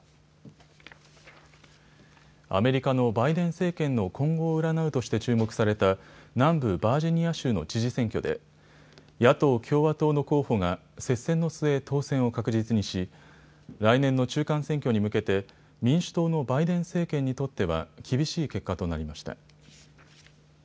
アメリカのバイデン政権の今後を占うとして注目された南部バージニア州の知事選挙で野党共和党の候補が接戦の末、当選を確実にし、来年の中間選挙に向けて民主党のバイデン政権にとっては厳しい結果となりました。